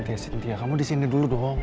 ya kamu di sini dulu dong